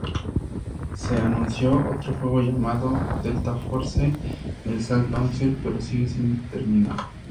Se anunció otro juego llamado Delta Force: El Salto Ángel, pero sigue sin terminar.